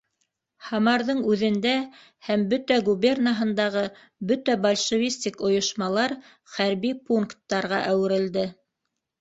Һамарҙың үҙендә һәм бөтә губернаһындағы бөтә большевистик ойошмалар хәрби пункттарға әүерелде.